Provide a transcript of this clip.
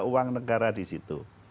uang negara di situ